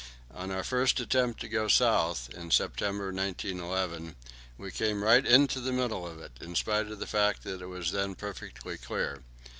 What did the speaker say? On our first attempt to go south, in September, 1911, we came right into the middle of it, in spite of the fact that it was then perfectly clear.